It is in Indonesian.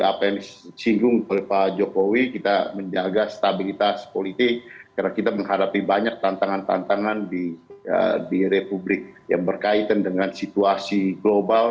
jadi apa yang disinggung oleh pak jokowi kita menjaga stabilitas politik karena kita menghadapi banyak tantangan tantangan di republik yang berkaitan dengan situasi global